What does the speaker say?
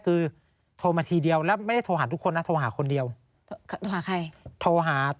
ติดต่อมั้ยมีติดต่อ